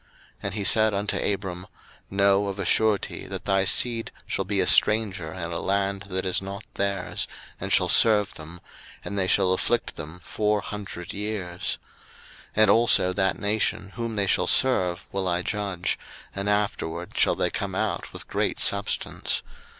01:015:013 And he said unto Abram, Know of a surety that thy seed shall be a stranger in a land that is not their's, and shall serve them; and they shall afflict them four hundred years; 01:015:014 And also that nation, whom they shall serve, will I judge: and afterward shall they come out with great substance.